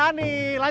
lanjut lagi ya